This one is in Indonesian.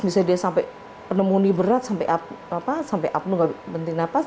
misalnya dia sampai penemuni berat sampai apel nggak penting napas